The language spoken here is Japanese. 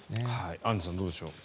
アンジュさんどうでしょう。